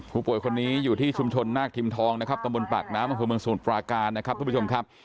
ผู้ป่วยคนนี้อยู่ที่ชุมชนนาคทิมทองนะครับตำบลปากน้ำอำเภอเมืองสมุทรปราการนะครับทุกผู้ชมครับ